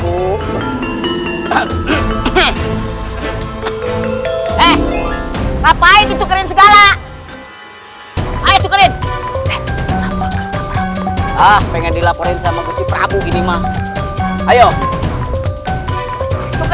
hai eh ngapain ditukerin segala ayo tukerin ah pengen dilaporin sama besi prabu ini mah ayo lagi